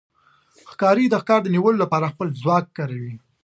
ښکاري د ښکار د نیولو لپاره خپل ځواک کاروي.